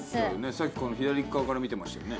さっきこの左側から見てましたよね。